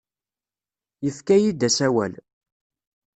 Yefka-iyi-d asawal.